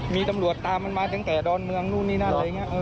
มีตำรวจตามมันมาทั้งแต่ดอนเมืองตอนนี้นั้นนั้นเหรอ